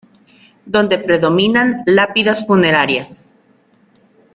Donde predominan lápidas funerarias.